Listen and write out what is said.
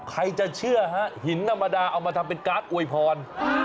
ใครจะเชื่อฮะหินธรรมดาเอามาทำเป็นการ์ดอวยพร